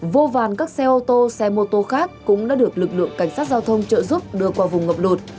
vô vàn các xe ô tô xe mô tô khác cũng đã được lực lượng cảnh sát giao thông trợ giúp đưa qua vùng ngập lột